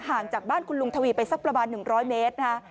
ห่างจากบ้านคุณลุงทวีไปสักประมาณหนึ่งร้อยเมตรนะ